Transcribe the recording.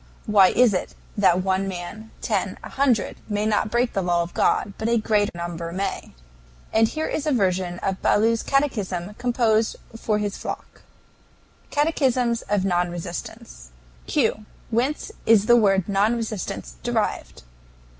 Why is it that one man, ten, a hundred, may not break the law of God, but a great number may?" And here is a version of Ballou's catechism composed for his flock: CATECHISM OF NON RESISTANCE. Q. Whence is the word "non resistance" derived?